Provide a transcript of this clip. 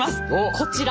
こちら。